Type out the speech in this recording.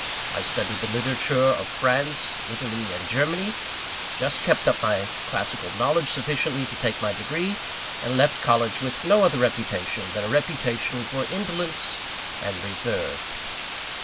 I studied the literature of France, Italy, and Germany; just kept up my classical knowledge sufficiently to take my degree; and left college with no other reputation than a reputation for indolence and reserve.